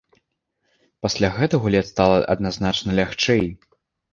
Пасля гэта гуляць стала адназначна лягчэй.